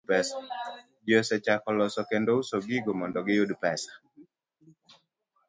Ji osechako loso kendo uso gigo mondo giyud pesa.